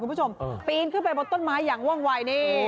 พี้นไปไปบนต้นไม้อย่างว่างวาย